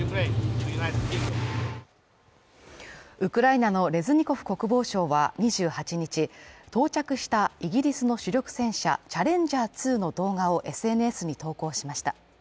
ウクライナのレズニコフ国防相は２８日、到着したイギリスの主力戦車チャレンジャー２の動画をＳＮＳに投稿しました。